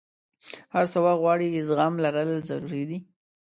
هر څه وخت غواړي، زغم لرل ضروري دي.